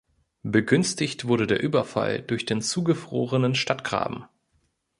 Begünstigt wurde der Überfall durch den zugefrorenen Stadtgraben.